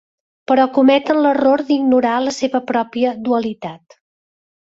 Però cometen l'error d'ignorar la seva pròpia dualitat.